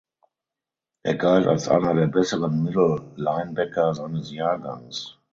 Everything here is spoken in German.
Er galt als einer der besseren Middle Linebacker seines Jahrgangs.